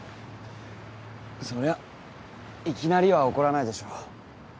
そりゃいきなりは起こらないでしょう。